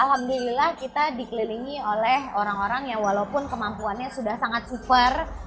alhamdulillah kita dikelilingi oleh orang orang yang walaupun kemampuannya sudah sangat super